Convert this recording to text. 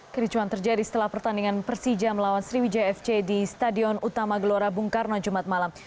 kericuan terjadi setelah pertandingan persija melawan sriwijaya fc di stadion utama gelora bung karno jumat malam